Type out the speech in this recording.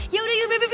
ya udah yuk bebe